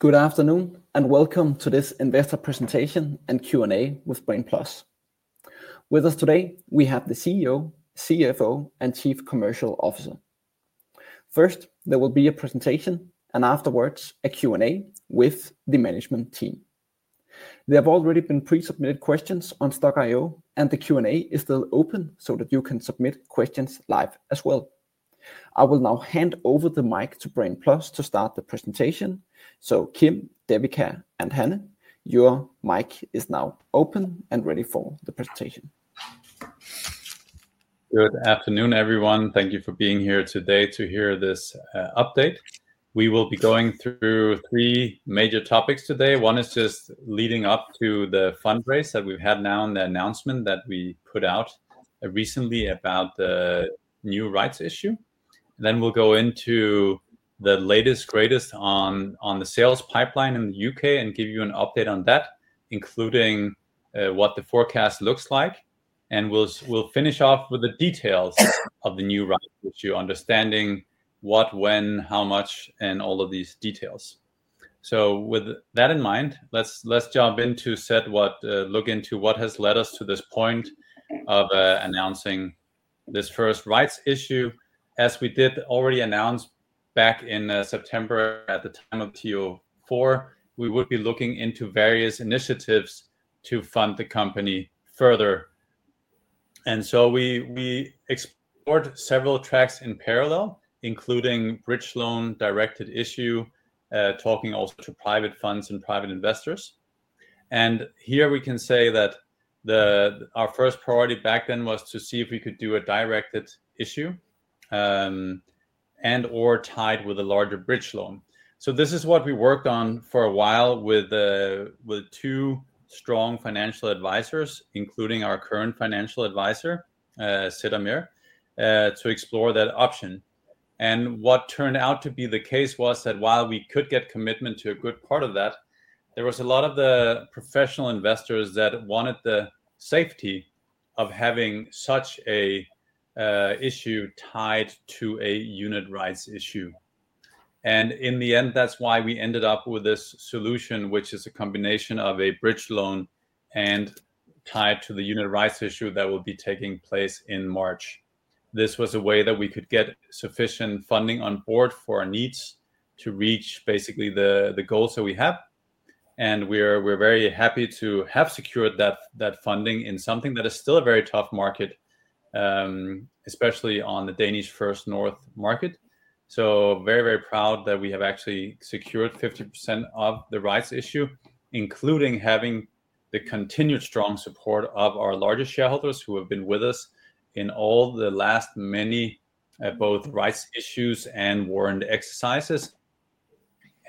Good afternoon, and welcome to this Investor Presentation and Q&A with Brain+. With us today, we have the CEO, CFO, and Chief Commercial Officer. First, there will be a presentation, and afterwards, a Q&A with the management team. There have already been pre-submitted questions on Stokk.io, and the Q&A is still open so that you can submit questions live as well. I will now hand over the mic to Brain+ to start the presentation. So, Kim, Devika, and Hanne, your mic is now open and ready for the presentation. Good afternoon, everyone. Thank you for being here today to hear this update. We will be going through three major topics today. One is just leading up to the fundraise that we've had now and the announcement that we put out recently about the new rights issue, then we'll go into the latest, greatest on the sales pipeline in the U.K. and give you an update on that, including what the forecast looks like, and we'll finish off with the details of the new rights issue, understanding what, when, how much, and all of these details, so with that in mind, let's jump in to look into what has led us to this point of announcing this first rights issue. As we did already announce back in September at the time of TO4, we would be looking into various initiatives to fund the company further. And so we explored several tracks in parallel, including bridge loan, directed issue, talking also to private funds and private investors. And here we can say that our first priority back then was to see if we could do a directed issue and/or tied with a larger bridge loan. So this is what we worked on for a while with two strong financial advisors, including our current financial advisor, Sedermera, to explore that option. And what turned out to be the case was that while we could get commitment to a good part of that, there was a lot of the professional investors that wanted the safety of having such an issue tied to a unit rights issue. And in the end, that's why we ended up with this solution, which is a combination of a bridge loan and tied to the unit rights issue that will be taking place in March. This was a way that we could get sufficient funding on board for our needs to reach basically the goals that we have. And we're very happy to have secured that funding in something that is still a very tough market, especially on the Danish First North market. So very, very proud that we have actually secured 50% of the rights issue, including having the continued strong support of our largest shareholders who have been with us in all the last many both rights issues and warrant exercises,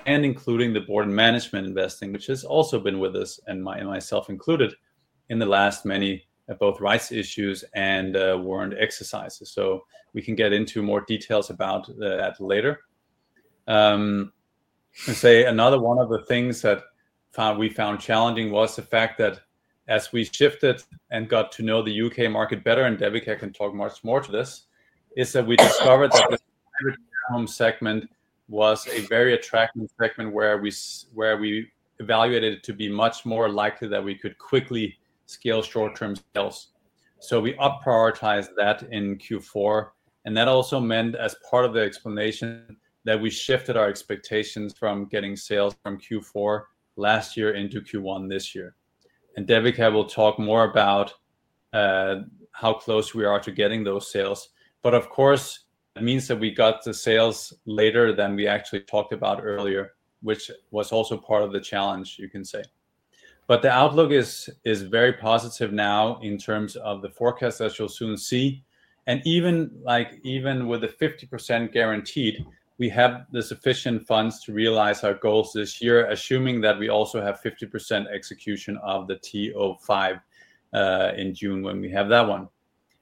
and including the Board and Management investing, which has also been with us and myself included in the last many both rights issues and warrant exercises. So we can get into more details about that later. I'd say another one of the things that we found challenging was the fact that as we shifted and got to know the U.K. market better, and Devika can talk much more to this, is that we discovered that the private home segment was a very attractive segment where we evaluated it to be much more likely that we could quickly scale short-term sales. So we up-prioritized that in Q4. And that also meant, as part of the explanation, that we shifted our expectations from getting sales from Q4 last year into Q1 this year. And Devika will talk more about how close we are to getting those sales. But of course, it means that we got the sales later than we actually talked about earlier, which was also part of the challenge, you can say. The outlook is very positive now in terms of the forecast that you'll soon see. And even with the 50% guaranteed, we have the sufficient funds to realize our goals this year, assuming that we also have 50% execution of the TO5 in June when we have that one.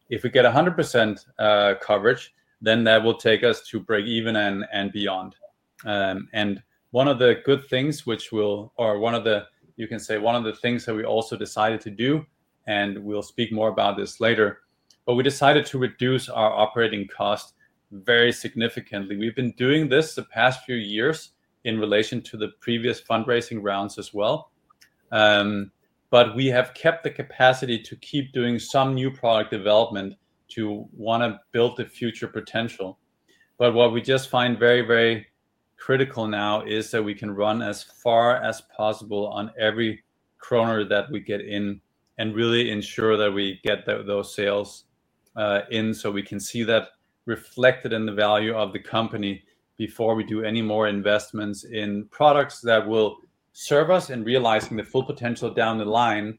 If we get 100% coverage, then that will take us to break even and beyond. And one of the good things, which will, or one of the, you can say, one of the things that we also decided to do, and we'll speak more about this later, but we decided to reduce our operating cost very significantly. We've been doing this the past few years in relation to the previous fundraising rounds as well. But we have kept the capacity to keep doing some new product development to want to build the future potential. But what we just find very, very critical now is that we can run as far as possible on every kroner that we get in and really ensure that we get those sales in so we can see that reflected in the value of the company before we do any more investments in products that will serve us in realizing the full potential down the line,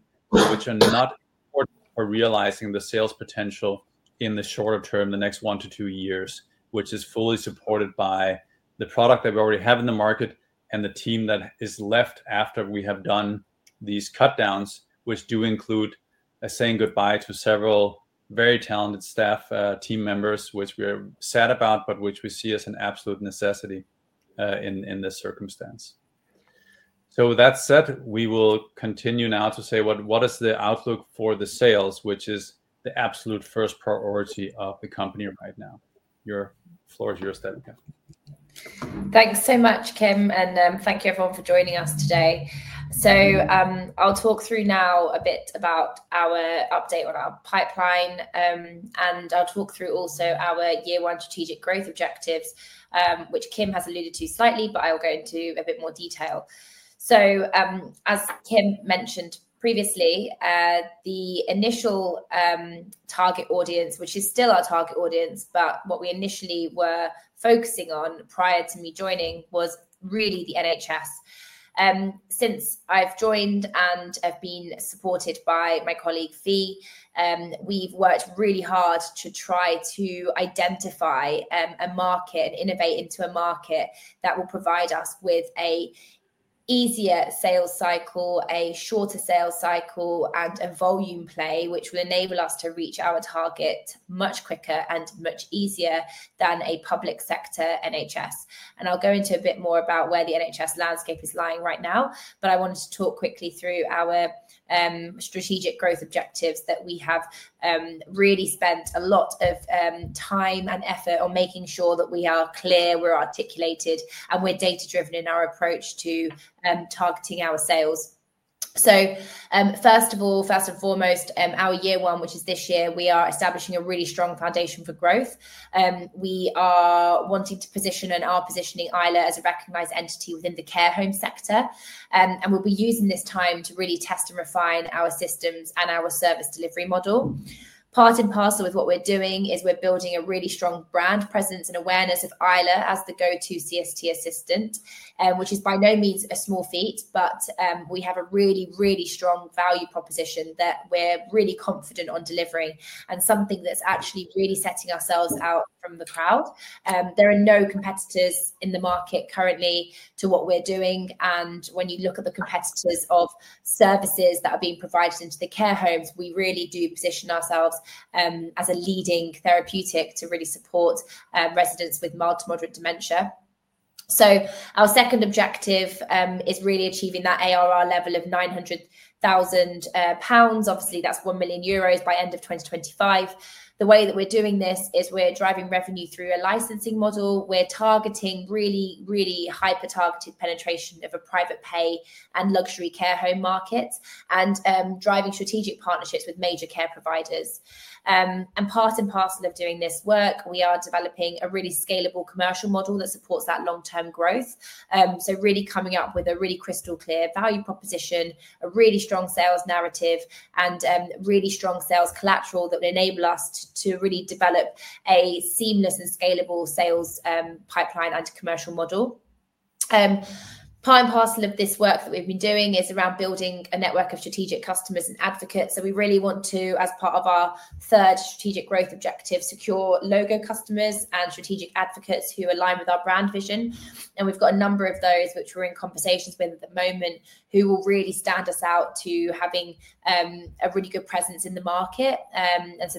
which are not important for realizing the sales potential in the shorter term, the next one to two years, which is fully supported by the product that we already have in the market and the team that is left after we have done these cutdowns, which do include saying goodbye to several very talented staff team members, which we're sad about, but which we see as an absolute necessity in this circumstance. So with that said, we will continue now to say what is the outlook for the sales, which is the absolute first priority of the company right now. The floor is yours, Devika. Thanks so much, Kim, and thank you everyone for joining us today, so I'll talk through now a bit about our update on our pipeline, and I'll talk through also our year one strategic growth objectives, which Kim has alluded to slightly, but I'll go into a bit more detail, so as Kim mentioned previously, the initial target audience, which is still our target audience, but what we initially were focusing on prior to me joining was really the NHS. Since I've joined and have been supported by my colleague Fi, we've worked really hard to try to identify a market and innovate into a market that will provide us with an easier sales cycle, a shorter sales cycle, and a volume play, which will enable us to reach our target much quicker and much easier than a public sector NHS. I'll go into a bit more about where the NHS landscape is lying right now, but I wanted to talk quickly through our strategic growth objectives that we have really spent a lot of time and effort on making sure that we are clear, we're articulated, and we're data-driven in our approach to targeting our sales. First of all, first and foremost, our year one, which is this year, we are establishing a really strong foundation for growth. We are wanting to position and are positioning Ayla as a recognized entity within the care home sector. We'll be using this time to really test and refine our systems and our service delivery model. Part and parcel with what we're doing is we're building a really strong brand presence and awareness of Ayla as the go-to CST assistant, which is by no means a small feat, but we have a really, really strong value proposition that we're really confident on delivering and something that's actually really setting ourselves out from the crowd. There are no competitors in the market currently to what we're doing. And when you look at the competitors of services that are being provided into the care homes, we really do position ourselves as a leading therapeutic to really support residents with mild to moderate dementia. So our second objective is really achieving that ARR level of 900,000 pounds. Obviously, that's 1 million euros by end of 2025. The way that we're doing this is we're driving revenue through a licensing model. We're targeting really, really hyper-targeted penetration of a private pay and luxury care home market and driving strategic partnerships with major care providers, and part and parcel of doing this work, we are developing a really scalable commercial model that supports that long-term growth, so really coming up with a really crystal clear value proposition, a really strong sales narrative, and really strong sales collateral that will enable us to really develop a seamless and scalable sales pipeline and commercial model, part and parcel of this work that we've been doing is around building a network of strategic customers and advocates, so we really want to, as part of our third strategic growth objective, secure logo customers and strategic advocates who align with our brand vision. We've got a number of those which we're in conversations with at the moment who will really stand us out to having a really good presence in the market.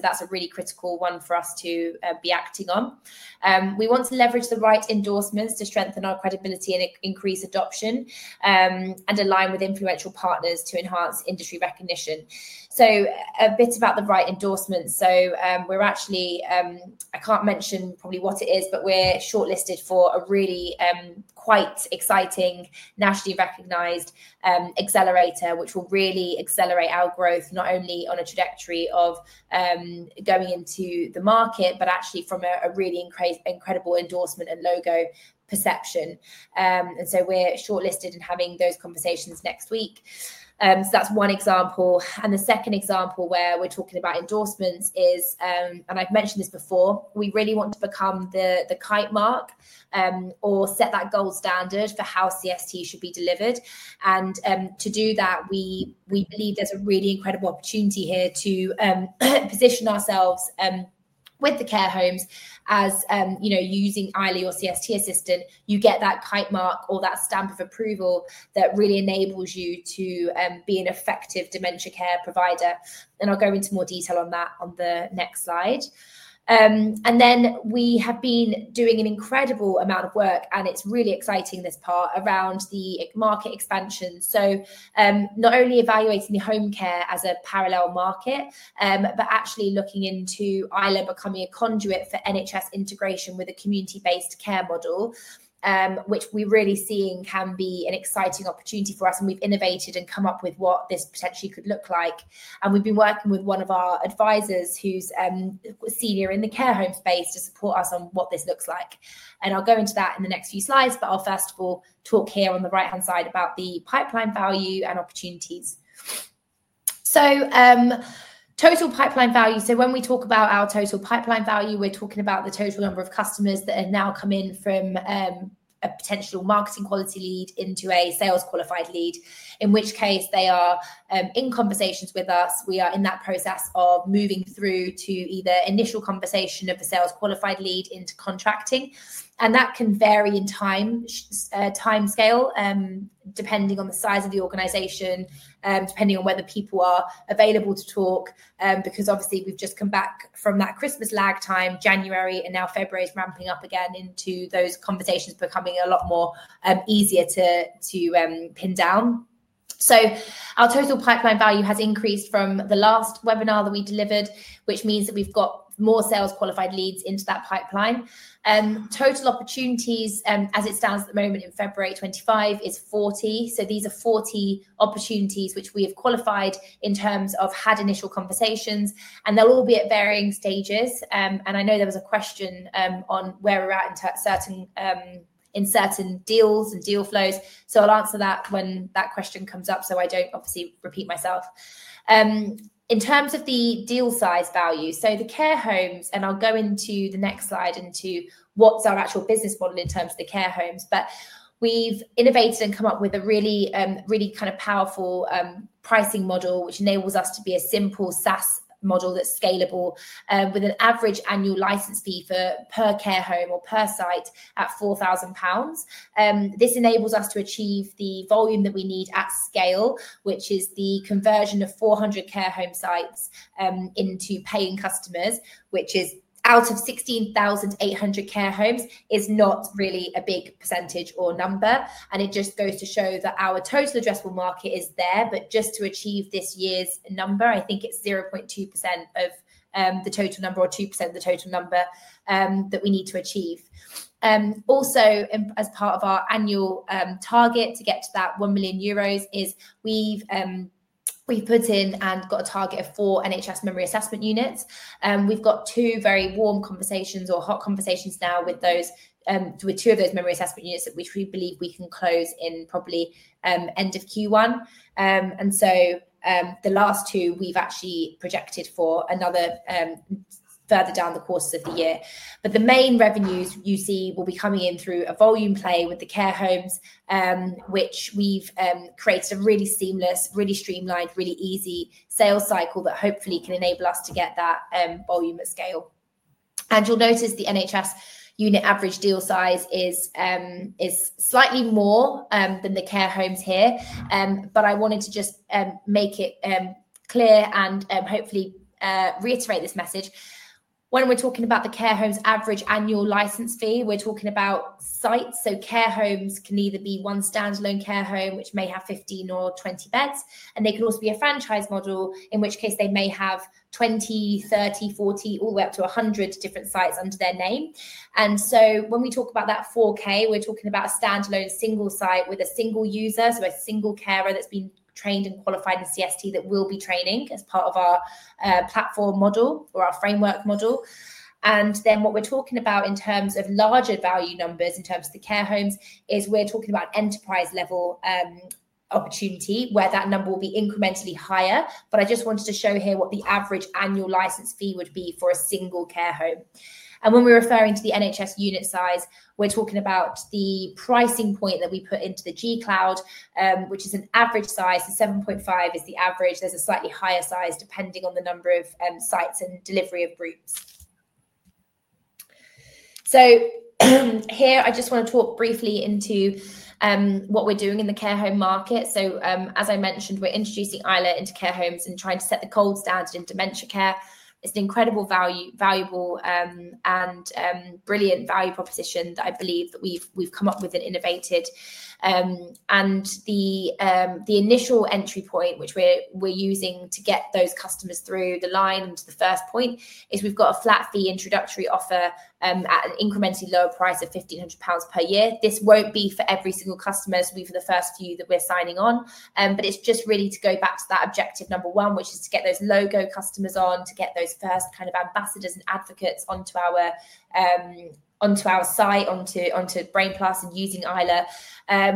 That's a really critical one for us to be acting on. We want to leverage the right endorsements to strengthen our credibility and increase adoption and align with influential partners to enhance industry recognition. A bit about the right endorsements. We're actually, I can't mention probably what it is, but we're shortlisted for a really quite exciting, nationally recognized accelerator, which will really accelerate our growth not only on a trajectory of going into the market, but actually from a really incredible endorsement and logo perception. We're shortlisted and having those conversations next week. That's one example. And the second example where we're talking about endorsements is, and I've mentioned this before, we really want to become the Kitemark or set that gold standard for how CST should be delivered. And to do that, we believe there's a really incredible opportunity here to position ourselves with the care homes as using Ayla, your CST assistant. You get that Kitemark or that stamp of approval that really enables you to be an effective dementia care provider. And I'll go into more detail on that on the next slide. And then we have been doing an incredible amount of work, and it's really exciting, this part around the market expansion. So not only evaluating the home care as a parallel market, but actually looking into Ayla becoming a conduit for NHS integration with a community-based care model, which we really see can be an exciting opportunity for us. And we've innovated and come up with what this potentially could look like. And we've been working with one of our advisors who's senior in the care home space to support us on what this looks like. And I'll go into that in the next few slides, but I'll first of all talk here on the right-hand side about the pipeline value and opportunities. So total pipeline value. So when we talk about our total pipeline value, we're talking about the total number of customers that have now come in from a potential marketing qualified lead into a sales qualified lead, in which case they are in conversations with us. We are in that process of moving through to either initial conversation of the sales qualified lead into contracting. And that can vary in timescale depending on the size of the organization, depending on whether people are available to talk, because obviously we've just come back from that Christmas lag time, January, and now February is ramping up again into those conversations becoming a lot more easier to pin down. So our total pipeline value has increased from the last webinar that we delivered, which means that we've got more sales qualified leads into that pipeline. Total opportunities, as it stands at the moment in February 25, is 40. So these are 40 opportunities which we have qualified in terms of had initial conversations, and they'll all be at varying stages. And I know there was a question on where we're at in certain deals and deal flows. I'll answer that when that question comes up so I don't obviously repeat myself. In terms of the deal size value, the care homes, and I'll go into the next slide into what's our actual business model in terms of the care homes, but we've innovated and come up with a really kind of powerful pricing model, which enables us to be a simple SaaS model that's scalable with an average annual license fee per care home or per site at 4,000 pounds. This enables us to achieve the volume that we need at scale, which is the conversion of 400 care home sites into paying customers, which is out of 16,800 care homes, is not really a big percentage or number. And it just goes to show that our total addressable market is there, but just to achieve this year's number, I think it's 0.2% of the total number or 2% of the total number that we need to achieve. Also, as part of our annual target to get to that 1 million euros is we've put in and got a target of four NHS memory assessment units. We've got two very warm conversations or hot conversations now with two of those memory assessment units, which we believe we can close in probably end of Q1. And so the last two we've actually projected for another further down the course of the year. The main revenues you see will be coming in through a volume play with the care homes, which we've created a really seamless, really streamlined, really easy sales cycle that hopefully can enable us to get that volume at scale. You'll notice the NHS unit average deal size is slightly more than the care homes here, but I wanted to just make it clear and hopefully reiterate this message. When we're talking about the care homes average annual license fee, we're talking about sites. Care homes can either be one standalone care home, which may have 15 or 20 beds, and they can also be a franchise model, in which case they may have 20, 30, 40, all the way up to 100 different sites under their name. And so when we talk about that 4K, we're talking about a standalone single site with a single user, so a single carer that's been trained and qualified in CST that will be training as part of our platform model or our framework model. And then what we're talking about in terms of larger value numbers in terms of the care homes is we're talking about enterprise-level opportunity where that number will be incrementally higher. But I just wanted to show here what the average annual license fee would be for a single care home. And when we're referring to the NHS unit size, we're talking about the pricing point that we put into the G-Cloud, which is an average size. The 7.5 is the average. There's a slightly higher size depending on the number of sites and delivery of groups. So here, I just want to talk briefly into what we're doing in the care home market. So as I mentioned, we're introducing Ayla into care homes and trying to set the gold standard in dementia care. It's an incredible valuable and brilliant value proposition that I believe that we've come up with and innovated. And the initial entry point, which we're using to get those customers through the line into the first point, is we've got a flat fee introductory offer at an incrementally lower price of 1,500 pounds per year. This won't be for every single customer. It's only for the first few that we're signing on. But it's just really to go back to that objective number one, which is to get those logo customers on, to get those first kind of ambassadors and advocates onto our site, onto Brain+ and using Ayla,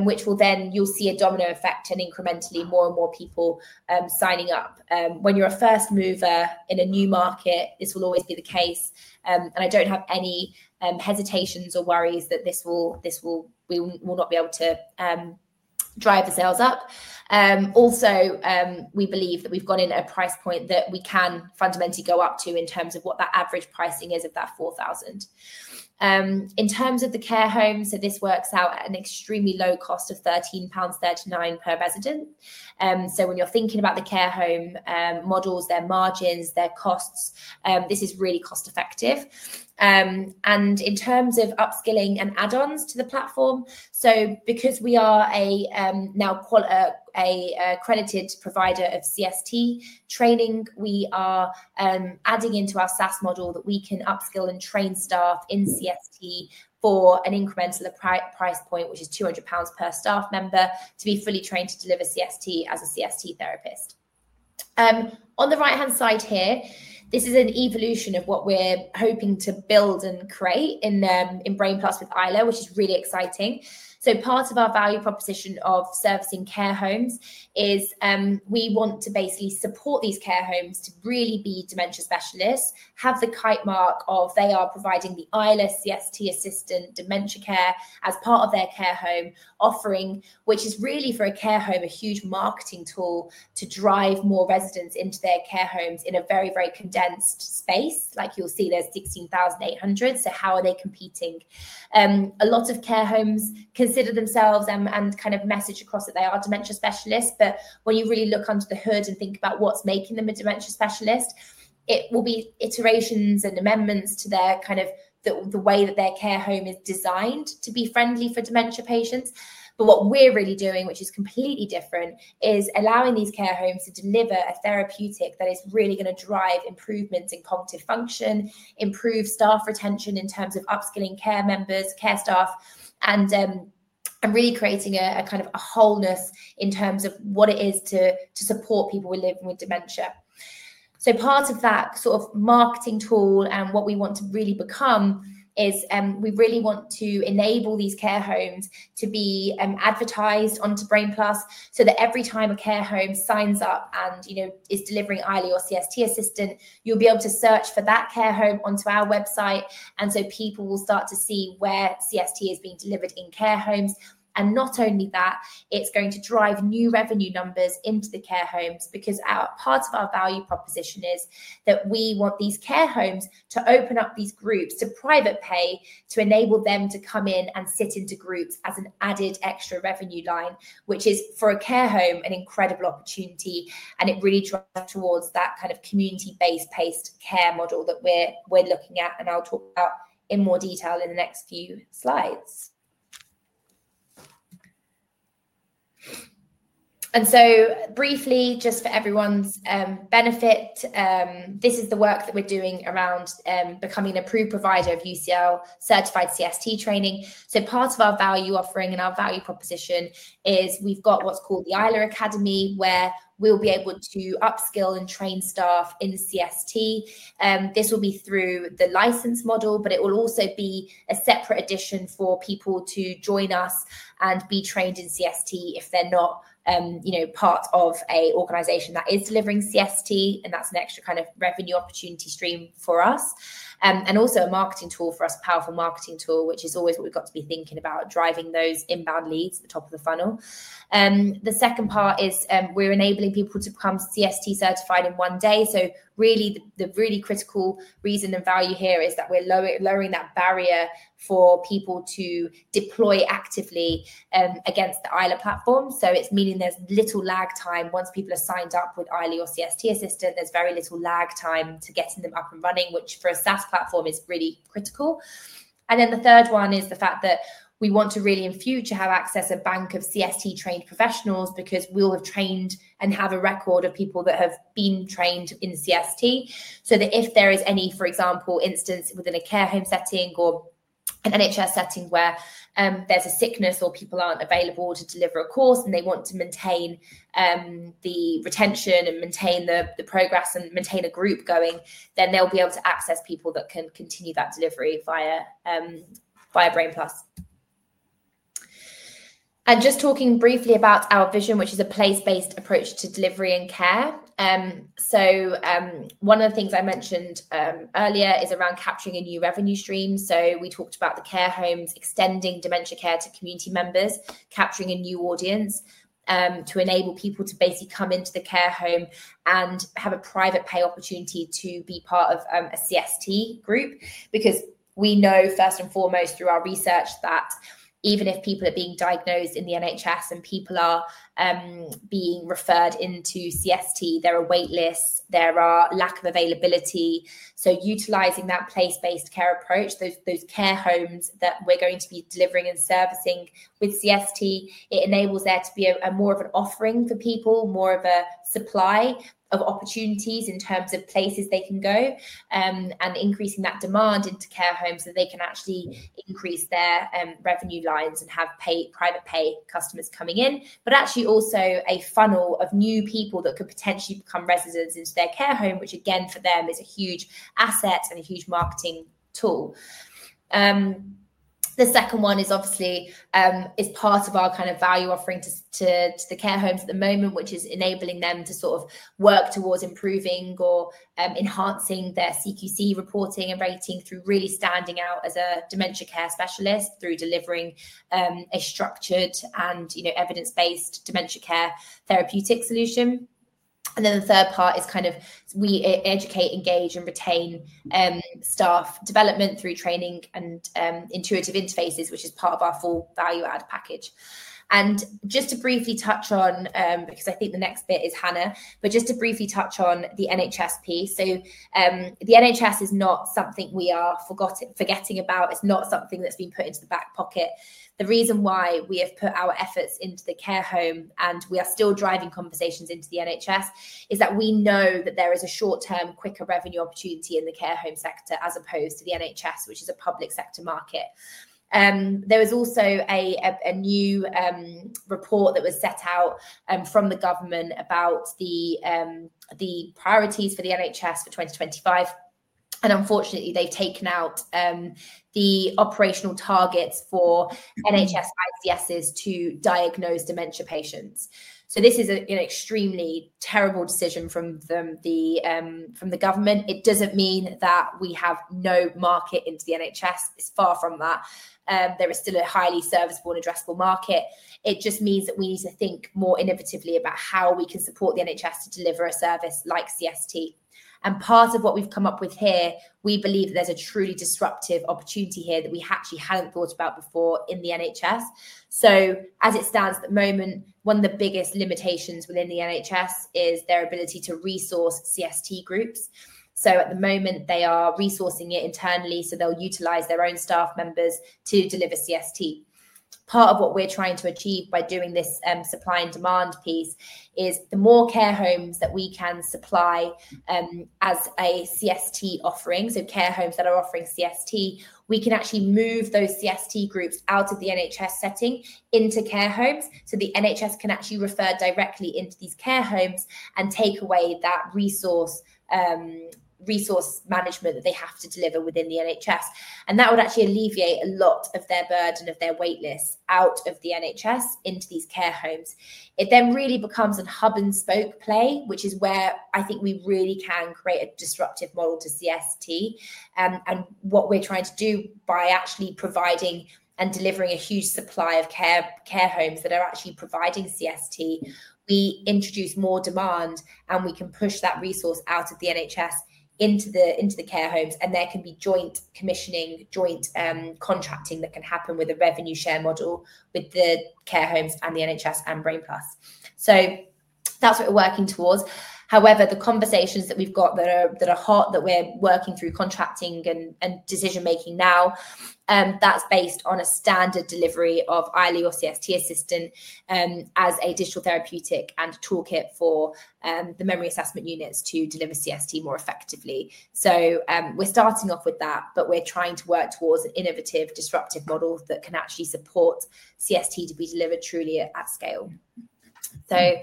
which will then you'll see a domino effect and incrementally more and more people signing up. When you're a first mover in a new market, this will always be the case. And I don't have any hesitations or worries that this will not be able to drive the sales up. Also, we believe that we've gone in at a price point that we can fundamentally go up to in terms of what that average pricing is of that 4,000. In terms of the care home, so this works out at an extremely low cost of 13.39 pounds per resident. So when you're thinking about the care home models, their margins, their costs, this is really cost-effective. And in terms of upskilling and add-ons to the platform, so because we are now an accredited provider of CST training, we are adding into our SaaS model that we can upskill and train staff in CST for an incremental price point, which is 200 pounds per staff member to be fully trained to deliver CST as a CST therapist. On the right-hand side here, this is an evolution of what we're hoping to build and create in Brain+ with Ayla, which is really exciting. So part of our value proposition of servicing care homes is we want to basically support these care homes to really be dementia specialists, have the Kitemark of they are providing the Ayla CST assistant dementia care as part of their care home offering, which is really for a care home a huge marketing tool to drive more residents into their care homes in a very, very condensed space. Like you'll see, there's 16,800. How are they competing? A lot of care homes consider themselves and kind of message across that they are dementia specialists. When you really look under the hood and think about what's making them a dementia specialist, it will be iterations and amendments to the way that their care home is designed to be friendly for dementia patients. But what we're really doing, which is completely different, is allowing these care homes to deliver a therapeutic that is really going to drive improvements in cognitive function, improve staff retention in terms of upskilling care members, care staff, and really creating a kind of wholeness in terms of what it is to support people who live with dementia. So part of that sort of marketing tool and what we want to really become is we really want to enable these care homes to be advertised onto Brain+ so that every time a care home signs up and is delivering Ayla, Your CST Assistant, you'll be able to search for that care home onto our website. And so people will start to see where CST is being delivered in care homes. Not only that, it's going to drive new revenue numbers into the care homes because part of our value proposition is that we want these care homes to open up these groups to private pay to enable them to come in and sit into groups as an added extra revenue line, which is for a care home an incredible opportunity. It really drives towards that kind of community-based care model that we're looking at. I'll talk about it in more detail in the next few slides. Briefly, just for everyone's benefit, this is the work that we're doing around becoming a proven provider of UCL certified CST training. Part of our value offering and our value proposition is we've got what's called the Ayla Academy, where we'll be able to upskill and train staff in CST. This will be through the license model, but it will also be a separate addition for people to join us and be trained in CST if they're not part of an organization that is delivering CST, and that's an extra kind of revenue opportunity stream for us, and also a marketing tool for us, a powerful marketing tool, which is always what we've got to be thinking about, driving those inbound leads at the top of the funnel. The second part is we're enabling people to become CST certified in one day, so really, the really critical reason and value here is that we're lowering that barrier for people to deploy actively against the Ayla platform, so it's meaning there's little lag time. Once people are signed up with Ayla, your CST assistant, there's very little lag time to getting them up and running, which for a SaaS platform is really critical, and then the third one is the fact that we want to really, in future, have access to a bank of CST trained professionals because we'll have trained and have a record of people that have been trained in CST, so that if there is any, for example, instance within a care home setting or an NHS setting where there's a sickness or people aren't available to deliver a course and they want to maintain the retention and maintain the progress and maintain a group going, then they'll be able to access people that can continue that delivery via Brain+, and just talking briefly about our vision, which is a place-based approach to delivery and care. So one of the things I mentioned earlier is around capturing a new revenue stream. So we talked about the care homes extending dementia care to community members, capturing a new audience to enable people to basically come into the care home and have a private pay opportunity to be part of a CST group. Because we know, first and foremost, through our research that even if people are being diagnosed in the NHS and people are being referred into CST, there are waitlists, there are lack of availability. So utilizing that place-based care approach, those care homes that we're going to be delivering and servicing with CST, it enables there to be more of an offering for people, more of a supply of opportunities in terms of places they can go and increasing that demand into care homes so they can actually increase their revenue lines and have private pay customers coming in, but actually also a funnel of new people that could potentially become residents into their care home, which again, for them, is a huge asset and a huge marketing tool. The second one is obviously part of our kind of value offering to the care homes at the moment, which is enabling them to sort of work towards improving or enhancing their CQC reporting and rating through really standing out as a dementia care specialist through delivering a structured and evidence-based dementia care therapeutic solution. And then the third part is kind of we educate, engage, and retain staff development through training and intuitive interfaces, which is part of our full value add package. And just to briefly touch on, because I think the next bit is Hanne, but just to briefly touch on the NHS piece. So the NHS is not something we are forgetting about. It's not something that's been put into the back pocket. The reason why we have put our efforts into the care home and we are still driving conversations into the NHS is that we know that there is a short-term, quicker revenue opportunity in the care home sector as opposed to the NHS, which is a public sector market. There was also a new report that was set out from the government about the priorities for the NHS for 2025. Unfortunately, they've taken out the operational targets for NHS ICSs to diagnose dementia patients. This is an extremely terrible decision from the government. It doesn't mean that we have no market into the NHS. It's far from that. There is still a highly serviceable and addressable market. It just means that we need to think more innovatively about how we can support the NHS to deliver a service like CST. Part of what we've come up with here, we believe that there's a truly disruptive opportunity here that we actually hadn't thought about before in the NHS. As it stands at the moment, one of the biggest limitations within the NHS is their ability to resource CST groups. At the moment, they are resourcing it internally. They'll utilize their own staff members to deliver CST. Part of what we're trying to achieve by doing this supply and demand piece is the more care homes that we can supply as a CST offering, so care homes that are offering CST, we can actually move those CST groups out of the NHS setting into care homes so the NHS can actually refer directly into these care homes and take away that resource management that they have to deliver within the NHS, and that would actually alleviate a lot of their burden of their waitlist out of the NHS into these care homes. It then really becomes a hub-and-spoke play, which is where I think we really can create a disruptive model to CST. What we're trying to do by actually providing and delivering a huge supply of care homes that are actually providing CST, we introduce more demand and we can push that resource out of the NHS into the care homes. There can be joint commissioning, joint contracting that can happen with a revenue share model with the care homes and the NHS and Brain+. That's what we're working towards. However, the conversations that we've got that are hot that we're working through contracting and decision-making now, that's based on a standard delivery of Ayla, your CST assistant as a digital therapeutic and toolkit for the memory assessment units to deliver CST more effectively. We're starting off with that, but we're trying to work towards an innovative disruptive model that can actually support CST to be delivered truly at scale. So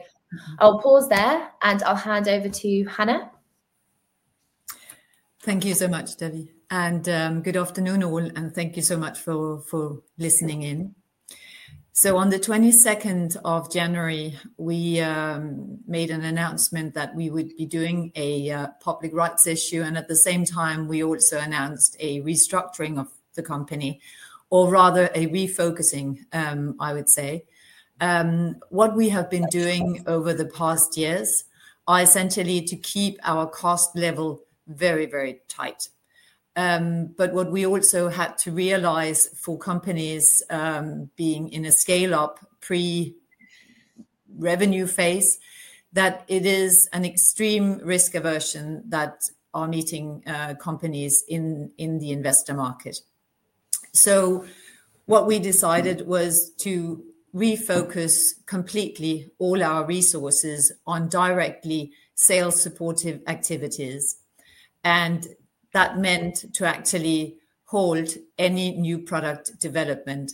I'll pause there and I'll hand over to Hanne. Thank you so much, Devi, and good afternoon all, and thank you so much for listening in, so on the 22nd of January, we made an announcement that we would be doing a public rights issue. And at the same time, we also announced a restructuring of the company, or rather a refocusing, I would say. What we have been doing over the past years is essentially to keep our cost level very, very tight, but what we also had to realize for companies being in a scale-up pre-revenue phase, that it is an extreme risk aversion that are meeting companies in the investor market, so what we decided was to refocus completely all our resources on directly sales-supportive activities, and that meant to actually hold any new product development.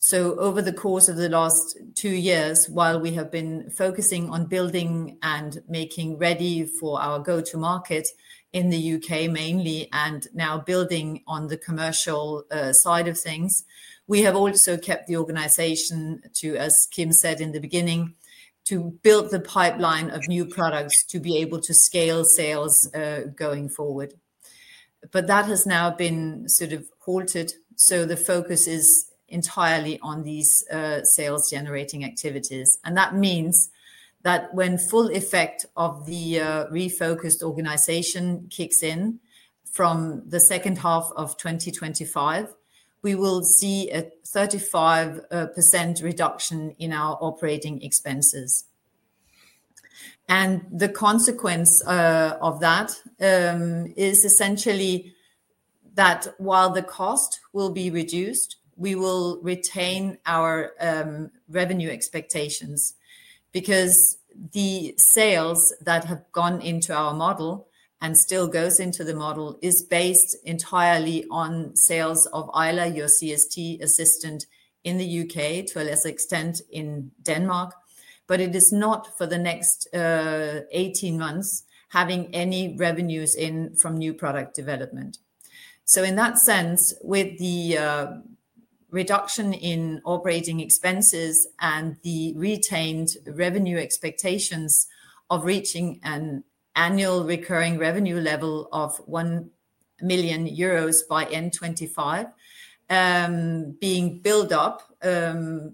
So over the course of the last two years, while we have been focusing on building and making ready for our go-to-market in the U.K. mainly, and now building on the commercial side of things, we have also kept the organization, as Kim said in the beginning, to build the pipeline of new products to be able to scale sales going forward. But that has now been sort of halted. So the focus is entirely on these sales-generating activities. And that means that when full effect of the refocused organization kicks in from the second half of 2025, we will see a 35% reduction in our operating expenses. And the consequence of that is essentially that while the cost will be reduced, we will retain our revenue expectations because the sales that have gone into our model and still goes into the model is based entirely on sales of Ayla, your CST assistant, in the U.K., to a lesser extent in Denmark. But it is not for the next 18 months having any revenues in from new product development. So in that sense, with the reduction in operating expenses and the retained revenue expectations of reaching an annual recurring revenue level of 1 million euros by end 2025 being built up,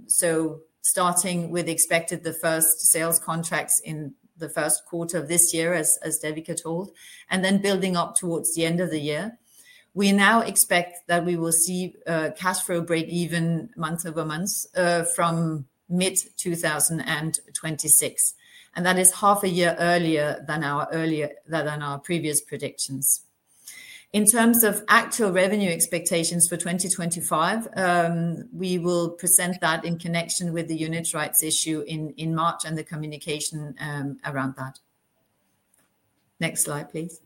so starting with expected the first sales contracts in the first quarter of this year, as Devika told, and then building up towards the end of the year, we now expect that we will see cash flow break even month over month from mid-2026. That is half a year earlier than our previous predictions. In terms of actual revenue expectations for 2025, we will present that in connection with the units' rights issue in March and the communication around that. Next slide, please.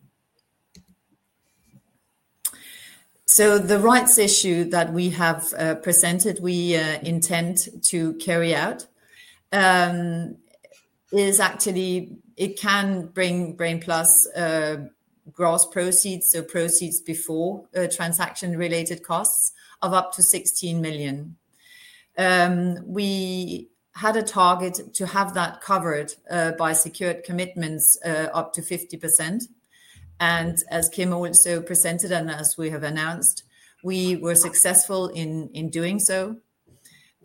The rights issue that we have presented, we intend to carry out is actually it can bring Brain+ gross proceeds, so proceeds before transaction-related costs of up to 16 million. We had a target to have that covered by secured commitments up to 50%. As Kim also presented and as we have announced, we were successful in doing so.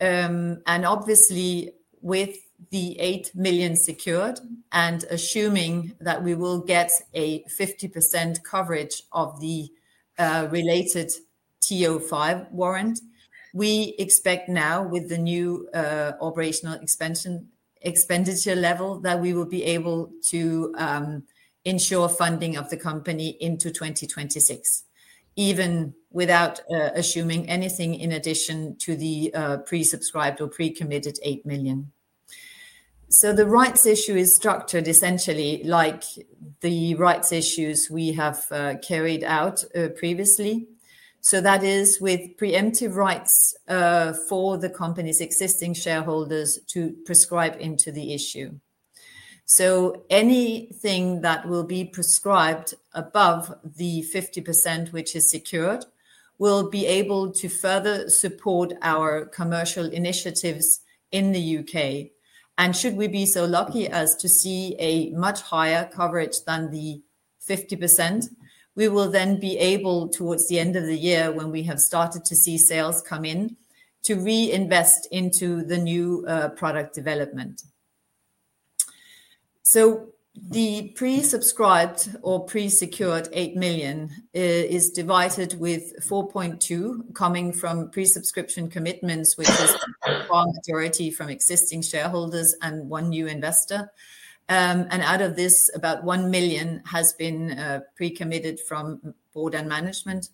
Obviously, with the 8 million secured and assuming that we will get a 50% coverage of the related TO5 warrant, we expect now with the new operational expenditure level that we will be able to ensure funding of the company into 2026, even without assuming anything in addition to the pre-subscribed or pre-committed 8 million. The rights issue is structured essentially like the rights issues we have carried out previously. That is with preemptive rights for the company's existing shareholders to subscribe into the issue. Anything that will be subscribed above the 50%, which is secured, will be able to further support our commercial initiatives in the U.K. And should we be so lucky as to see a much higher coverage than the 50%, we will then be able, towards the end of the year, when we have started to see sales come in, to reinvest into the new product development. So the pre-subscribed or pre-secured 8 million is divided with 4.2 coming from pre-subscription commitments, which is a majority from existing shareholders and one new investor. And out of this, about 1 million has been pre-committed from board and management.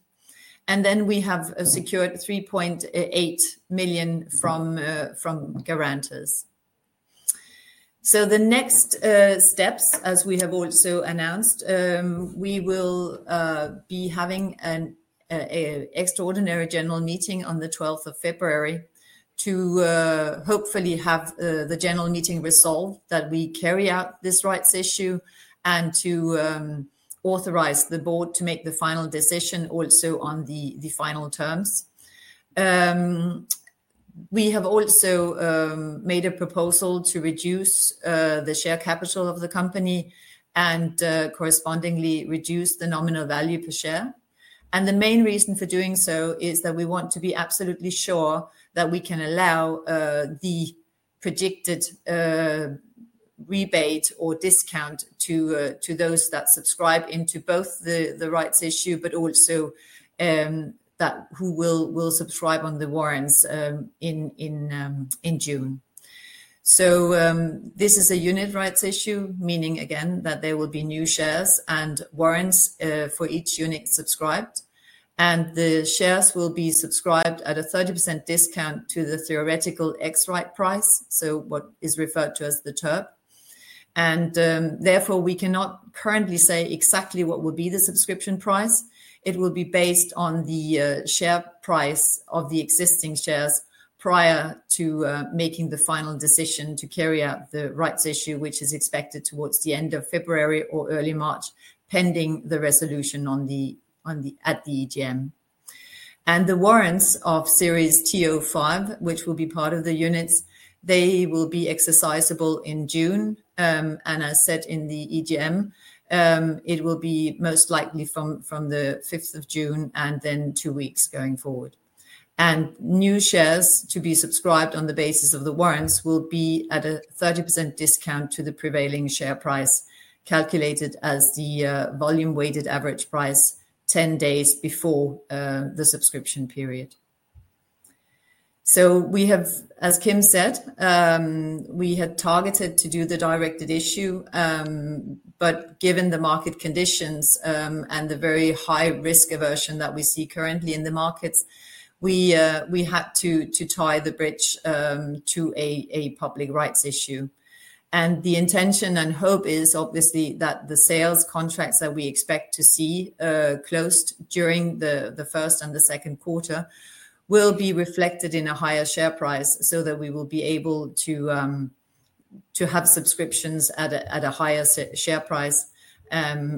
And then we have secured 3.8 million from guarantors. So the next steps, as we have also announced, we will be having an extraordinary general meeting on the 12th of February to hopefully have the general meeting resolve that we carry out this rights issue and to authorize the board to make the final decision also on the final terms. We have also made a proposal to reduce the share capital of the company and correspondingly reduce the nominal value per share. And the main reason for doing so is that we want to be absolutely sure that we can allow the predicted rebate or discount to those that subscribe into both the rights issue, but also who will subscribe on the warrants in June. So this is a unit rights issue, meaning again that there will be new shares and warrants for each unit subscribed. And the shares will be subscribed at a 30% discount to the Theoretical Ex-Rights Price, so what is referred to as the TERP. And therefore, we cannot currently say exactly what will be the subscription price. It will be based on the share price of the existing shares prior to making the final decision to carry out the rights issue, which is expected towards the end of February or early March, pending the resolution at the EGM. And the warrants of series TO5, which will be part of the units, they will be exercisable in June. And as said in the EGM, it will be most likely from the 5th of June and then two weeks going forward. And new shares to be subscribed on the basis of the warrants will be at a 30% discount to the prevailing share price calculated as the volume-weighted average price 10 days before the subscription period. So we have, as Kim said, we had targeted to do the directed issue. But given the market conditions and the very high risk aversion that we see currently in the markets, we had to tie the bridge to a public rights issue. And the intention and hope is obviously that the sales contracts that we expect to see closed during the first and the second quarter will be reflected in a higher share price so that we will be able to have subscriptions at a higher share price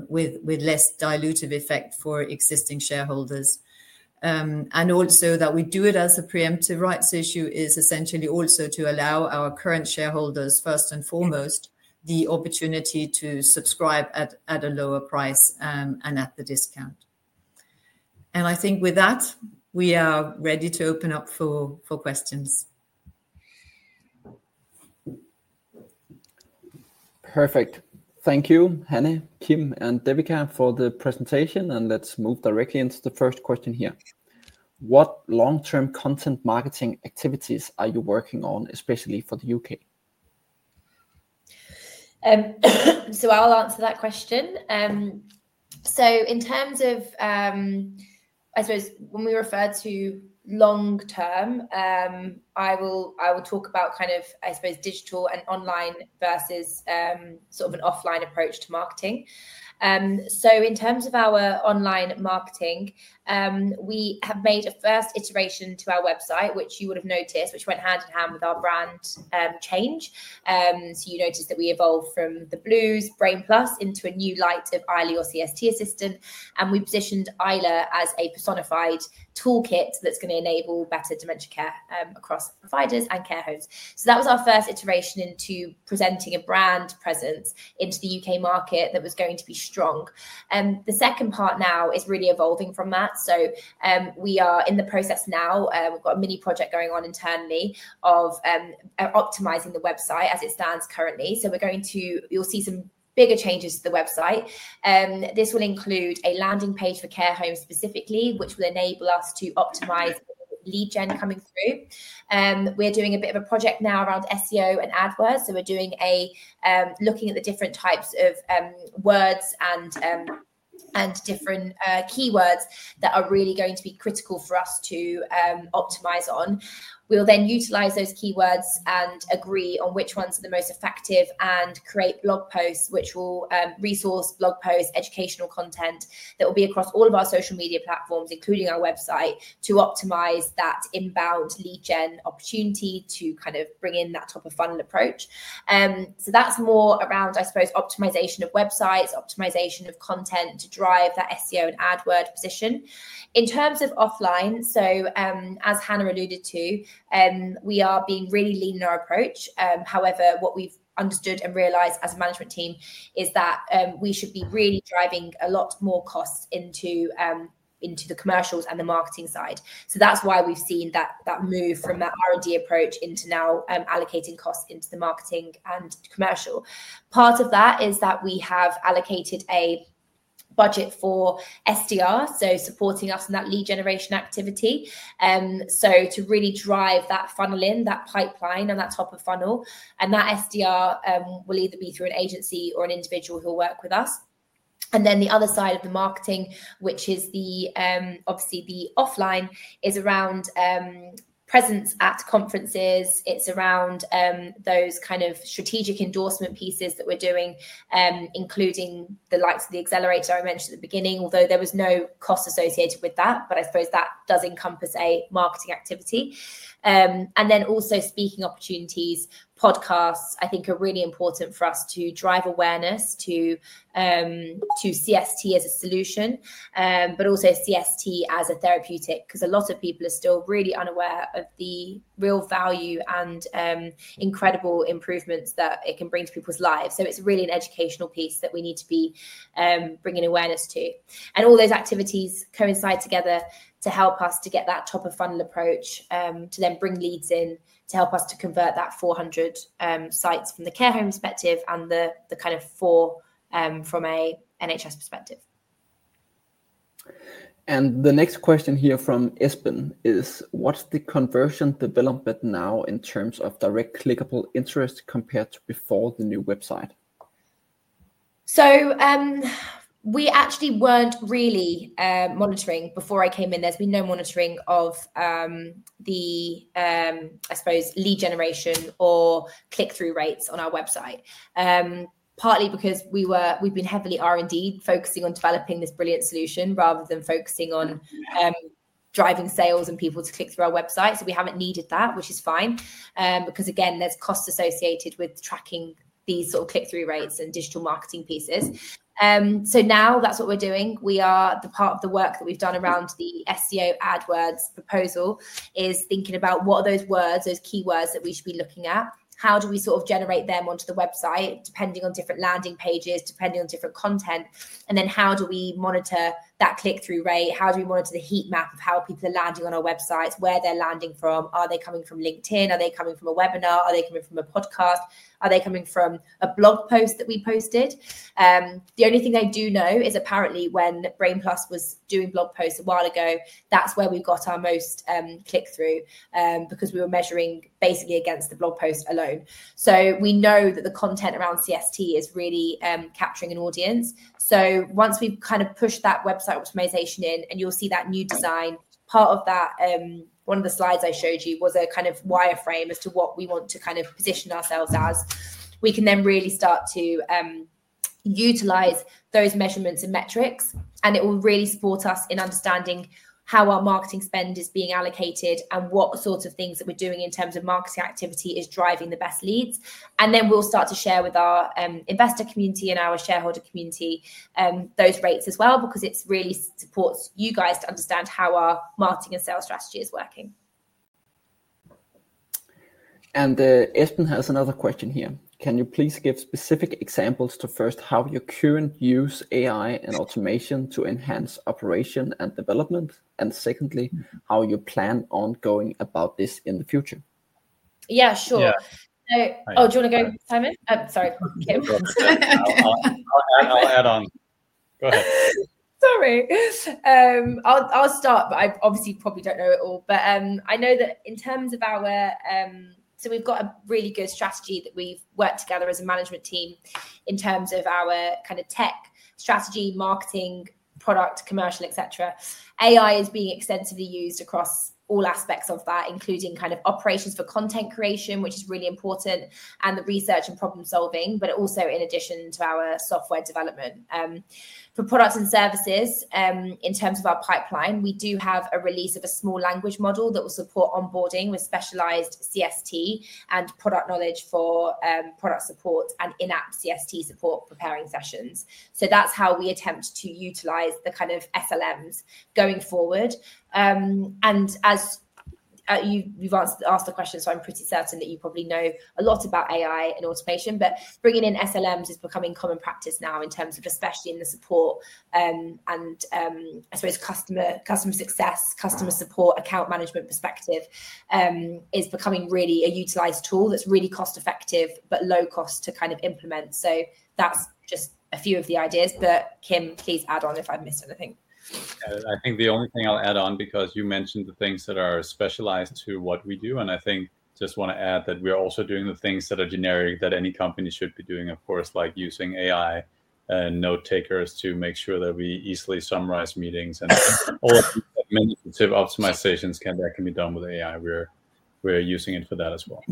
with less dilutive effect for existing shareholders. And also that we do it as a preemptive rights issue is essentially also to allow our current shareholders, first and foremost, the opportunity to subscribe at a lower price and at the discount. And I think with that, we are ready to open up for questions. Perfect. Thank you, Hanne, Kim, and Devika for the presentation. And let's move directly into the first question here. What long-term content marketing activities are you working on, especially for the U.K.? I'll answer that question. In terms of, I suppose, when we refer to long-term, I will talk about kind of, I suppose, digital and online versus sort of an offline approach to marketing. In terms of our online marketing, we have made a first iteration to our website, which you would have noticed, which went hand in hand with our brand change. You noticed that we evolved from the blue Brain+ into a new light of Ayla your CST assistant. We positioned Ayla as a personified toolkit that's going to enable better dementia care across providers and care homes. That was our first iteration into presenting a brand presence into the U.K. market that was going to be strong. The second part now is really evolving from that. We are in the process now. We've got a mini project going on internally of optimizing the website as it stands currently. We're going to. You'll see some bigger changes to the website. This will include a landing page for care homes specifically, which will enable us to optimize lead gen coming through. We're doing a bit of a project now around SEO and AdWords. We're looking at the different types of words and different keywords that are really going to be critical for us to optimize on. We'll then utilize those keywords and agree on which ones are the most effective and create blog posts, educational content that will be across all of our social media platforms, including our website, to optimize that inbound lead gen opportunity to kind of bring in that top-of-funnel approach. So that's more around, I suppose, optimization of websites, optimization of content to drive that SEO and AdWords position. In terms of offline, so as Hanne alluded to, we are being really lean in our approach. However, what we've understood and realized as a management team is that we should be really driving a lot more costs into the commercials and the marketing side. So that's why we've seen that move from that R&D approach into now allocating costs into the marketing and commercial. Part of that is that we have allocated a budget for SDR, so supporting us in that lead generation activity. So to really drive that funnel in, that pipeline and that top-of-funnel, and that SDR will either be through an agency or an individual who will work with us. And then the other side of the marketing, which is obviously the offline, is around presence at conferences. It's around those kind of strategic endorsement pieces that we're doing, including the likes of the accelerator I mentioned at the beginning, although there was no cost associated with that, but I suppose that does encompass a marketing activity. And then also speaking opportunities, podcasts, I think are really important for us to drive awareness to CST as a solution, but also CST as a therapeutic because a lot of people are still really unaware of the real value and incredible improvements that it can bring to people's lives. So it's really an educational piece that we need to be bringing awareness to. All those activities coincide together to help us to get that top-of-funnel approach to then bring leads in to help us to convert that 400 sites from the care home perspective and the kind of four from an NHS perspective. The next question here from Espen is, what's the conversion development now in terms of direct clickable interest compared to before the new website? So we actually weren't really monitoring before I came in. There's been no monitoring of the, I suppose, lead generation or click-through rates on our website, partly because we've been heavily R&D focusing on developing this brilliant solution rather than focusing on driving sales and people to click through our website. So we haven't needed that, which is fine because, again, there's costs associated with tracking these sort of click-through rates and digital marketing pieces. So now that's what we're doing. The part of the work that we've done around the SEO AdWords proposal is thinking about what are those words, those keywords that we should be looking at. How do we sort of generate them onto the website, depending on different landing pages, depending on different content? And then how do we monitor that click-through rate? How do we monitor the heat map of how people are landing on our websites, where they're landing from? Are they coming from LinkedIn? Are they coming from a webinar? Are they coming from a podcast? Are they coming from a blog post that we posted? The only thing I do know is apparently when Brain+ was doing blog posts a while ago, that's where we got our most click-through because we were measuring basically against the blog post alone. So we know that the content around CST is really capturing an audience. So once we've kind of pushed that website optimization in and you'll see that new design, part of that, one of the slides I showed you was a kind of wireframe as to what we want to kind of position ourselves as. We can then really start to utilize those measurements and metrics, and it will really support us in understanding how our marketing spend is being allocated and what sorts of things that we're doing in terms of marketing activity is driving the best leads, and then we'll start to share with our investor community and our shareholder community those rates as well because it really supports you guys to understand how our marketing and sales strategy is working. Espen has another question here. Can you please give specific examples to first how your current use AI and automation to enhance operation and development? Secondly, how you plan on going about this in the future? Yeah, sure. Oh, do you want to go with Hanne? Sorry, Kim. I'll add on. Go ahead. Sorry. I'll start, but I obviously probably don't know it all. But I know that in terms of our, so we've got a really good strategy that we've worked together as a management team in terms of our kind of tech strategy, marketing, product, commercial, etc. AI is being extensively used across all aspects of that, including kind of operations for content creation, which is really important, and the research and problem-solving, but also in addition to our software development. For products and services, in terms of our pipeline, we do have a release of a small language model that will support onboarding with specialized CST and product knowledge for product support and in-app CST support preparing sessions. So that's how we attempt to utilize the kind of SLMs going forward. And as you've asked the question, so I'm pretty certain that you probably know a lot about AI and automation, but bringing in SLMs is becoming common practice now in terms of especially in the support and, I suppose, customer success, customer support, account management perspective is becoming really a utilized tool that's really cost-effective but low cost to kind of implement. So that's just a few of the ideas. But Kim, please add on if I've missed anything. I think the only thing I'll add on because you mentioned the things that are specialized to what we do, and I think just want to add that we're also doing the things that are generic that any company should be doing, of course, like using AI and note takers to make sure that we easily summarize meetings and all administrative optimizations that can be done with AI. We're using it for that as well.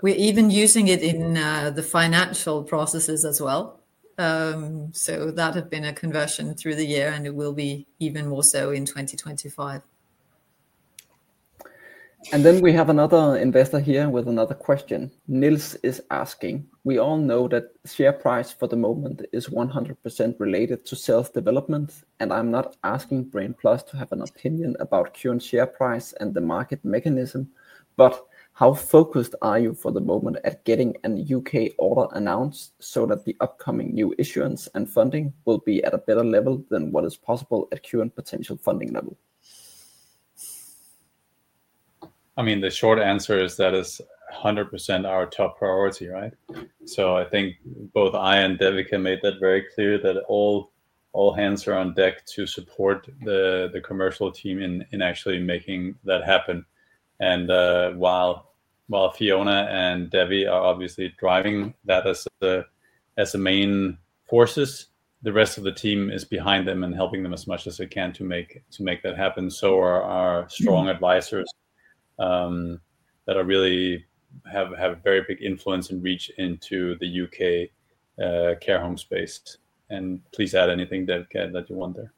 We're even using it in the financial processes as well, so that has been a conversion through the year, and it will be even more so in 2025. Then we have another investor here with another question. Nils is asking, "We all know that share price for the moment is 100% related to sales development. And I'm not asking Brain+ to have an opinion about current share price and the market mechanism, but how focused are you for the moment at getting a U.K. order announced so that the upcoming new issuance and funding will be at a better level than what is possible at current potential funding level? I mean, the short answer is that is 100% our top priority, right? So I think both I and Devika made that very clear that all hands are on deck to support the commercial team in actually making that happen. And while Fiona and Devi are obviously driving that as the main forces, the rest of the team is behind them and helping them as much as they can to make that happen. So our strong advisors that really have a very big influence and reach into the U.K. care home space. And please add anything that you want there.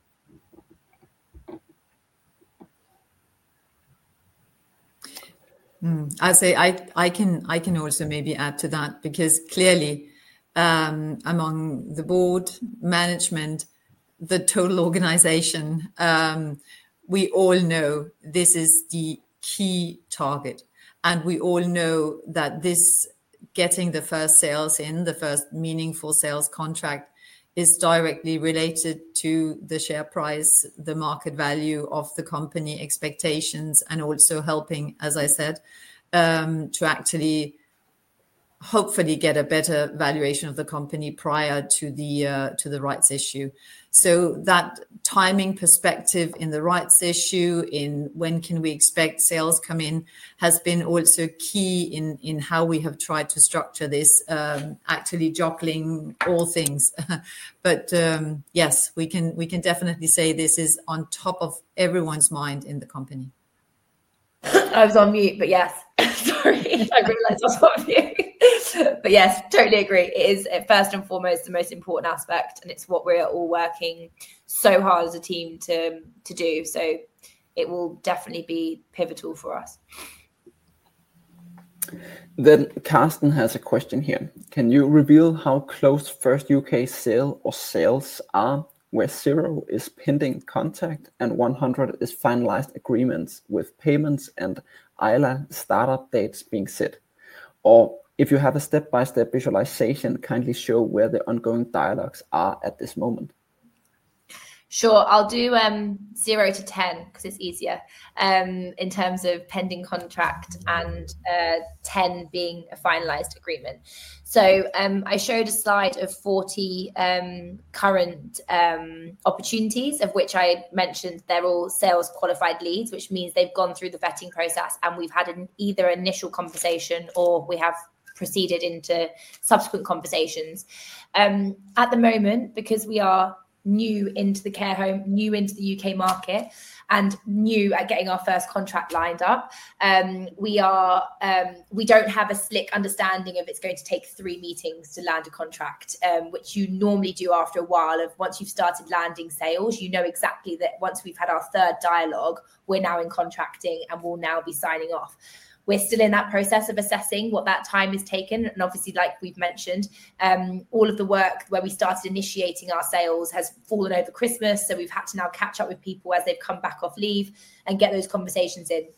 I say I can also maybe add to that because clearly among the board, management, the total organization, we all know this is the key target, and we all know that this getting the first sales in, the first meaningful sales contract is directly related to the share price, the market value of the company expectations, and also helping, as I said, to actually hopefully get a better valuation of the company prior to the rights issue, so that timing perspective in the rights issue, in when can we expect sales come in, has been also key in how we have tried to structure this, actually juggling all things, but yes, we can definitely say this is on top of everyone's mind in the company. I was on mute, but yes. Sorry. I realized I was on mute. But yes, totally agree. It is, first and foremost, the most important aspect, and it's what we're all working so hard as a team to do. So it will definitely be pivotal for us. Then Karsten has a question here. Can you reveal how close first U.K. sale or sales are where 0 is pending contact and 100 is finalized agreements with payments and Ayla startup dates being set? Or if you have a step-by-step visualization, kindly show where the ongoing dialogues are at this moment. Sure. I'll do 0 to 10 because it's easier in terms of pending contract and 10 being a finalized agreement. So I showed a slide of 40 current opportunities, of which I mentioned they're all sales qualified leads, which means they've gone through the vetting process, and we've had either initial conversation or we have proceeded into subsequent conversations. At the moment, because we are new into the care home, new into the U.K. market, and new at getting our first contract lined up, we don't have a slick understanding of it's going to take three meetings to land a contract, which you normally do after a while of once you've started landing sales, you know exactly that once we've had our third dialogue, we're now in contracting and we'll now be signing off. We're still in that process of assessing what that time has taken. Obviously, like we've mentioned, all of the work where we started initiating our sales has fallen over Christmas, so we've had to now catch up with people as they've come back off leave and get those conversations in.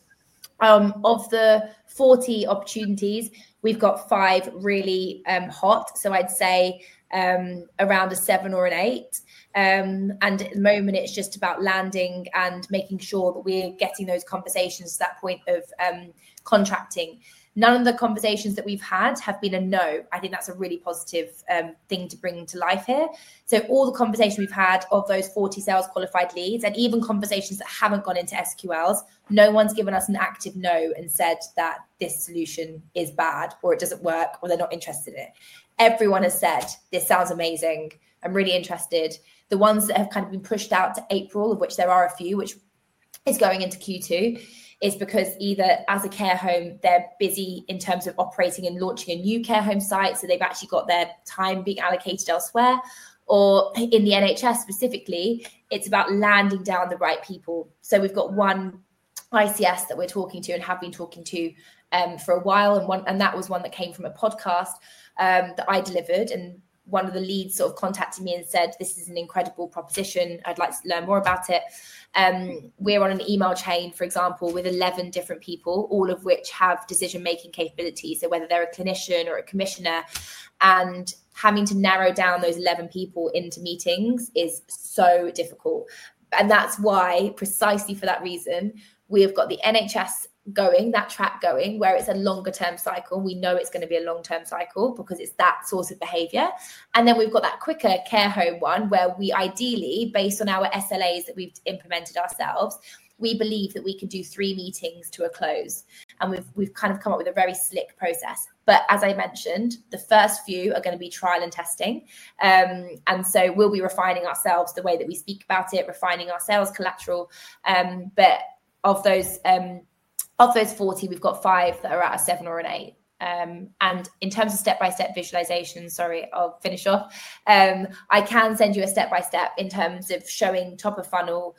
Of the 40 opportunities, we've got five really hot. I'd say around a seven or an eight. At the moment, it's just about landing and making sure that we're getting those conversations to that point of contracting. None of the conversations that we've had have been a no. I think that's a really positive thing to bring to life here. All the conversations we've had of those 40 sales qualified leads and even conversations that haven't gone into SQLs, no one's given us an active no and said that this solution is bad or it doesn't work or they're not interested in it. Everyone has said, "This sounds amazing. I'm really interested." The ones that have kind of been pushed out to April, of which there are a few, which is going into Q2, is because either as a care home, they're busy in terms of operating and launching a new care home site, so they've actually got their time being allocated elsewhere, or in the NHS specifically, it's about nailing down the right people, so we've got one ICS that we're talking to and have been talking to for a while, and that was one that came from a podcast that I delivered, and one of the leads sort of contacted me and said, "This is an incredible proposition. I'd like to learn more about it." We're on an email chain, for example, with 11 different people, all of which have decision-making capabilities. So whether they're a clinician or a commissioner, having to narrow down those 11 people into meetings is so difficult. And that's why, precisely for that reason, we have got the NHS going, that track going, where it's a longer-term cycle. We know it's going to be a long-term cycle because it's that sort of behavior. And then we've got that quicker care home one where we ideally, based on our SLAs that we've implemented ourselves, we believe that we can do three meetings to a close. And we've kind of come up with a very slick process. But as I mentioned, the first few are going to be trial and testing. And so we'll be refining ourselves the way that we speak about it, refining our sales collateral. But of those 40, we've got five that are at a seven or an eight. In terms of step-by-step visualization, sorry, I'll finish off. I can send you a step-by-step in terms of showing top of funnel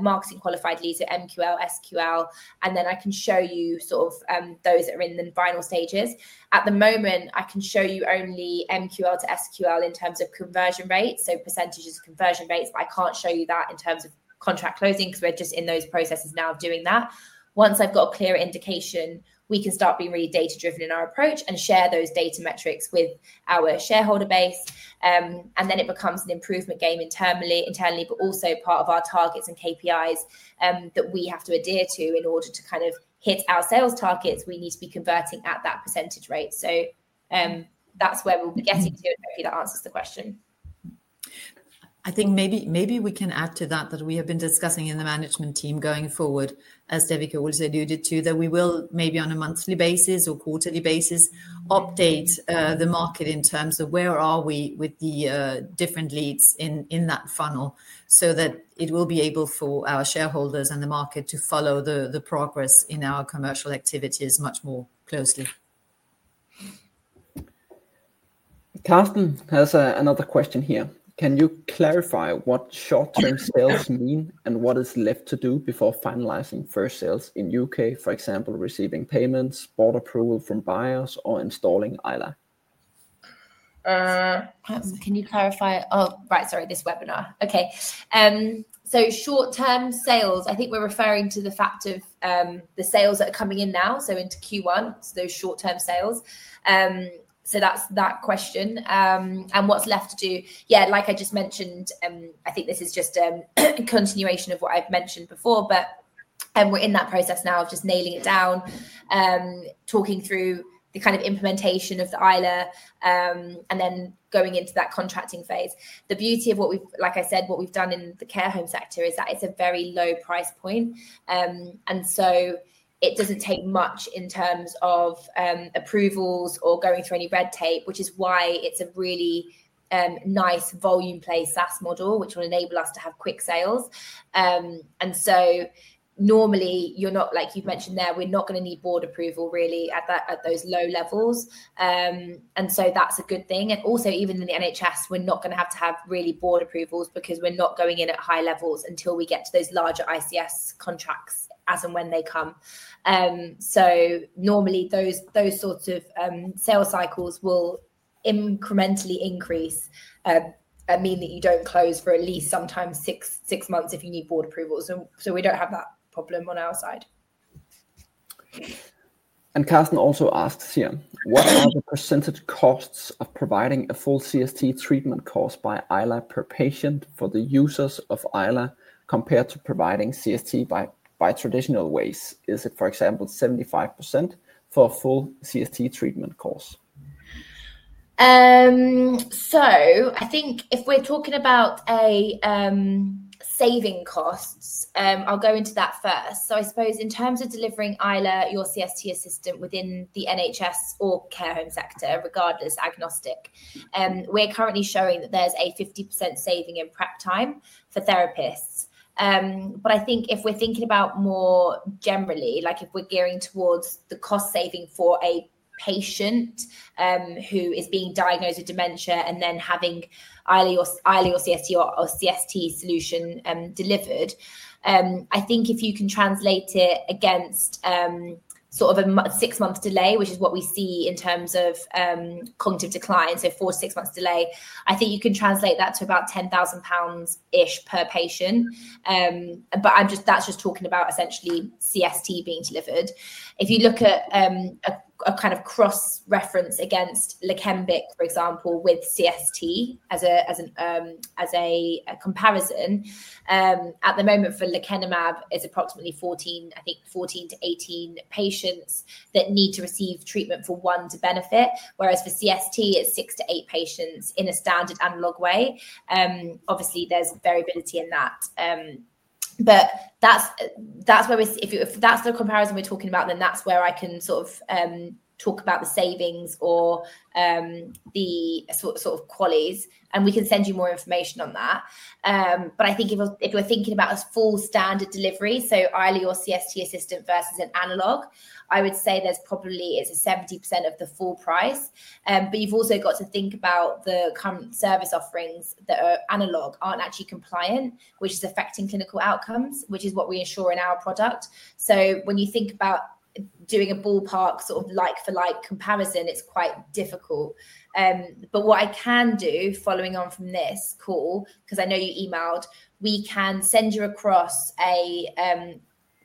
marketing qualified leads at MQL, SQL. I can show you sort of those that are in the final stages. At the moment, I can show you only MQL to SQL in terms of conversion rates, so percentages of conversion rates. I can't show you that in terms of contract closing because we're just in those processes now of doing that. Once I've got a clear indication, we can start being really data-driven in our approach and share those data metrics with our shareholder base. It becomes an improvement game internally, but also part of our targets and KPIs that we have to adhere to in order to kind of hit our sales targets. We need to be converting at that percentage rate. So that's where we'll be getting to. Hopefully, that answers the question. I think maybe we can add to that that we have been discussing in the management team going forward, as Devika also alluded to, that we will maybe on a monthly basis or quarterly basis update the market in terms of where are we with the different leads in that funnel so that it will be able for our shareholders and the market to follow the progress in our commercial activities much more closely. Karsten has another question here. Can you clarify what short-term sales mean and what is left to do before finalizing first sales in U.K., for example, receiving payments, board approval from buyers, or installing Ayla? Can you clarify? Oh, right, sorry, this webinar. Okay. So short-term sales, I think we're referring to the fact of the sales that are coming in now, so into Q1, those short-term sales. So that's that question. And what's left to do? Yeah, like I just mentioned, I think this is just a continuation of what I've mentioned before, but we're in that process now of just nailing it down, talking through the kind of implementation of the Ayla, and then going into that contracting phase. The beauty of what we've, like I said, what we've done in the care home sector is that it's a very low price point. And so it doesn't take much in terms of approvals or going through any red tape, which is why it's a really nice volume play SaaS model, which will enable us to have quick sales. And so normally, like you've mentioned there, we're not going to need board approval really at those low levels. And so that's a good thing. And also, even in the NHS, we're not going to have to have really board approvals because we're not going in at high levels until we get to those larger ICS contracts as and when they come. So normally, those sorts of sales cycles will incrementally increase and mean that you don't close for at least sometimes six months if you need board approvals. So we don't have that problem on our side. Karsten also asks here, what are the percentage costs of providing a full CST treatment cost by Ayla per patient for the users of Ayla compared to providing CST by traditional ways? Is it, for example, 75% for a full CST treatment cost? So I think if we're talking about saving costs, I'll go into that first. So I suppose in terms of delivering Ayla, your CST assistant within the NHS or care home sector, regardless, agnostic, we're currently showing that there's a 50% saving in prep time for therapists. But I think if we're thinking about more generally, like if we're gearing towards the cost saving for a patient who is being diagnosed with dementia and then having Ayla or CST solution delivered, I think if you can translate it against sort of a six-month delay, which is what we see in terms of cognitive decline, so four-to-six months delay, I think you can translate that to about 10,000-ish pounds per patient. But that's just talking about essentially CST being delivered. If you look at a kind of cross-reference against Leqembi, for example, with CST as a comparison, at the moment for lecanemab is approximately 14, I think 14-18 patients that need to receive treatment for one to benefit, whereas for CST, it's six-eight patients in a standard analog way. Obviously, there's variability in that. But that's where we're if that's the comparison we're talking about, then that's where I can sort of talk about the savings or the sort of qualities. And we can send you more information on that. But I think if you're thinking about a full standard delivery, so Ayla or CST assistant versus an analog, I would say there's probably it's 70% of the full price. But you've also got to think about the current service offerings that are analog aren't actually compliant, which is affecting clinical outcomes, which is what we ensure in our product. So when you think about doing a ballpark sort of like-for-like comparison, it's quite difficult. But what I can do, following on from this call, because I know you emailed, we can send you across a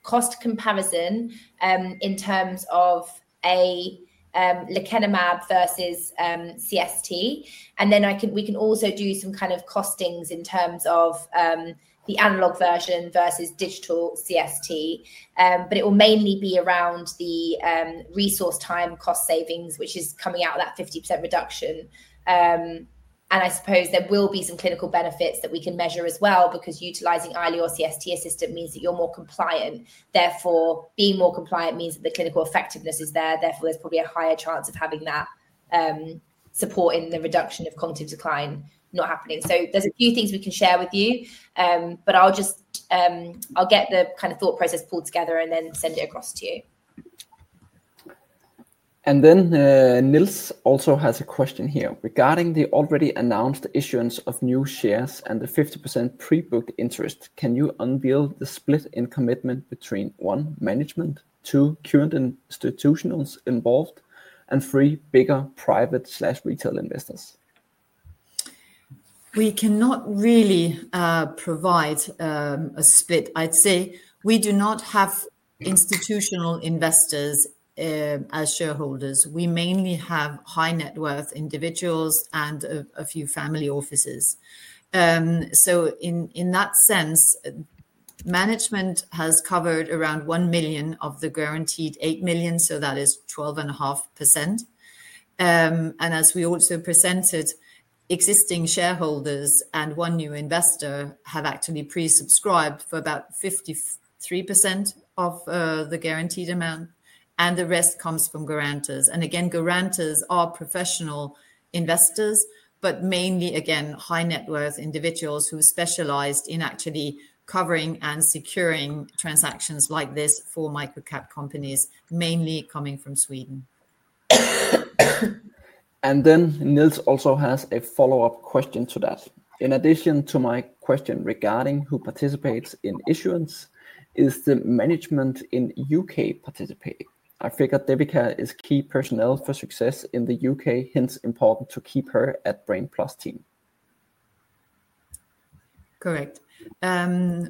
cost comparison in terms of a lecanemab versus CST. And then we can also do some kind of costings in terms of the analog version versus digital CST. But it will mainly be around the resource time cost savings, which is coming out of that 50% reduction. And I suppose there will be some clinical benefits that we can measure as well because utilizing Ayla or CST assistant means that you're more compliant. Therefore, being more compliant means that the clinical effectiveness is there. Therefore, there's probably a higher chance of having that support in the reduction of cognitive decline not happening. So there's a few things we can share with you, but I'll get the kind of thought process pulled together and then send it across to you. And then Nils also has a question here regarding the already announced issuance of new shares and the 50% pre-booked interest. Can you unveil the split in commitment between one, management, two, current institutional involved, and three, bigger private/retail investors? We cannot really provide a split. I'd say we do not have institutional investors as shareholders. We mainly have high-net-worth individuals and a few family offices. So in that sense, management has covered around 1 million of the guaranteed 8 million, so that is 12.5%. And as we also presented, existing shareholders and one new investor have actually pre-subscribed for about 53% of the guaranteed amount, and the rest comes from guarantors. And again, guarantors are professional investors, but mainly, again, high-net-worth individuals who are specialized in actually covering and securing transactions like this for microcap companies, mainly coming from Sweden. And then Nils also has a follow-up question to that. In addition to my question regarding who participates in issuance, is the management in U.K. participating? I figured Devika is key personnel for success in the U.K., hence important to keep her at Brain+ team. Correct.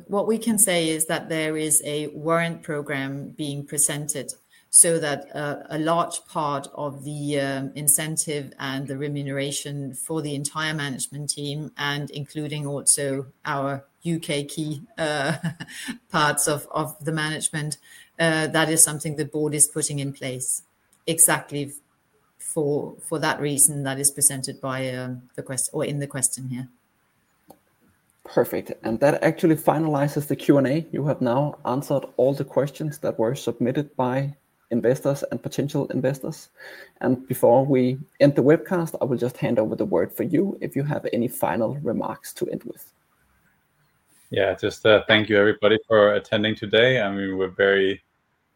What we can say is that there is a warrant program being presented so that a large part of the incentive and the remuneration for the entire management team, and including also our U.K. key parts of the management, that is something the board is putting in place exactly for that reason that is presented by the question or in the question here. Perfect. And that actually finalizes the Q&A. You have now answered all the questions that were submitted by investors and potential investors. And before we end the webcast, I will just hand over the word for you if you have any final remarks to end with. Yeah, just thank you, everybody, for attending today. I mean, we're very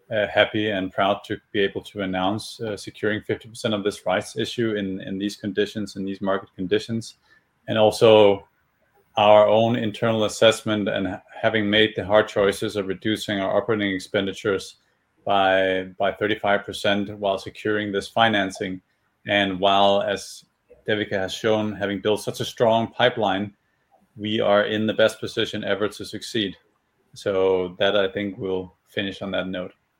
happy and proud to be able to announce securing 50% of this rights issue in these conditions, in these market conditions, and also our own internal assessment and having made the hard choices of reducing our operating expenditures by 35% while securing this financing. And while, as Devika has shown, having built such a strong pipeline, we are in the best position ever to succeed. So that, I think, we'll finish on that note.